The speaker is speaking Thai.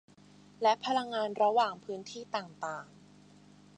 และพลังงานระหว่างพื้นที่ต่างต่าง